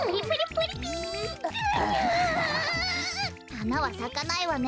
はなはさかないわね。